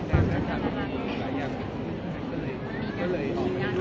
เวลาแรกพี่เห็นแวว